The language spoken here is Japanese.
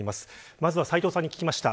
まず斎藤さんに聞きました。